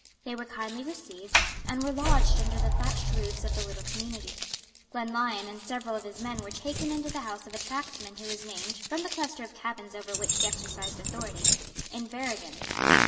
They were kindly received, and were lodged under the thatched roofs of the little community. Glenlyon and several of his men were taken into the house of a tacksman who was named, from the cluster of cabins over which he exercised authority, Inverriggen.